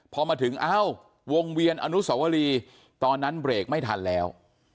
พอมาถึงเอ้าวงเวียนอนุสวรีตอนนั้นเบรกไม่ทันแล้ว